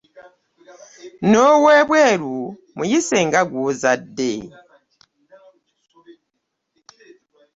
N’ow’ebweru muyise nga gw’ozadde.